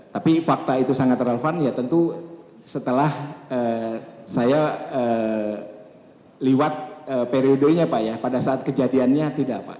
tapi fakta itu sangat relevan ya tentu setelah saya liwat periodenya pak ya pada saat kejadiannya tidak pak